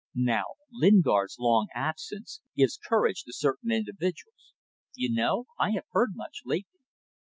Now Lingard's long absence gives courage to certain individuals. You know? I have heard much lately.